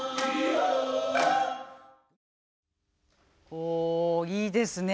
ほういいですね。